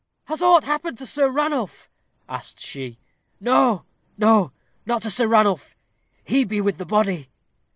"Has aught happened to Sir Ranulph?" asked she. "Noa noa not to Sir Ranulph he be with the body."